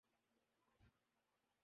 تمہیں کافی دیر سے اٹھانا چاہتا تھا۔